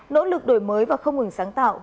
nỗ lực đổi mới và không hình sáng tạo